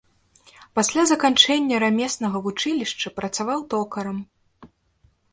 Пасля заканчэння рамеснага вучылішча працаваў токарам.